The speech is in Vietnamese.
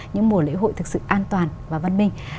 những mùa lễ hội thực sự an toàn và văn minh